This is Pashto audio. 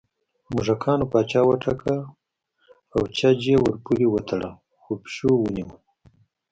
موږکانو پاچا وټاکه او چج یې ورپورې وتړه خو پېشو ونیوه